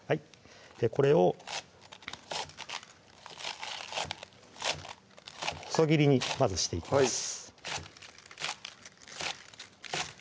これを細切りにまずしていきます